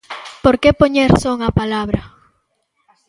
Por que poñer son á palabra?